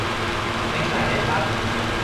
ไม่ใส่ได้ป๊ะ